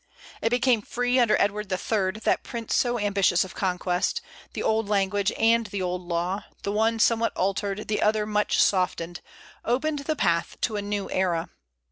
It became free under Edward the Third, that prince so ambitious of conquest: the old language and the old law, the one somewhat altered, the other much softened, opened the path to a new era.